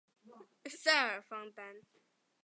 塞尔方丹。